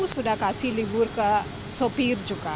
sudah kasih libur ke sopir juga